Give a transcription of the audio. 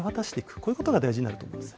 こういうことが大事になると思います。